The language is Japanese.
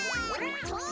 とう！